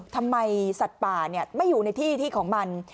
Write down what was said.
ทำไมสัตว์ป่าไม่อยู่ในที่ที่ของมัน